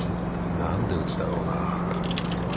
何で打つだろうな。